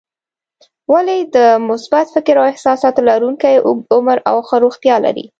ولې د مثبت فکر او احساساتو لرونکي اوږد عمر او ښه روغتیا لري؟